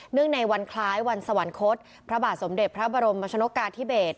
ในวันคล้ายวันสวรรคตพระบาทสมเด็จพระบรมรัชนกกาธิเบศ